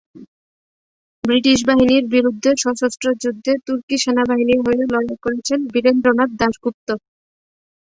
British বাহিনীর বিরুদ্ধে সশস্ত্র যুদ্ধে তুর্কি সেনাবাহিনীর হয়ে লড়াই করেছেন বীরেন্দ্রনাথ দাশগুপ্ত।